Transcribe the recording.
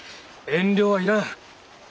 遠慮はいらん。